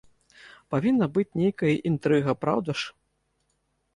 Павінна быць нейкая інтрыга, праўда ж?!